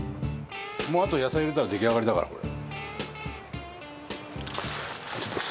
もう、あと野菜入れたら出来上がりだから、これ。